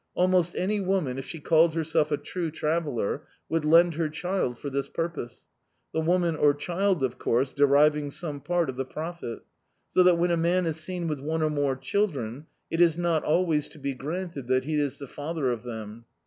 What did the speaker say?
Almost any woman, if she called herself a true traveller, would lend her child for this pur pose; the wtxnan or child, of course, deriving some part of the profit: so that when a man is seen widi one or more children, it is not always to be granted that he is the father of them.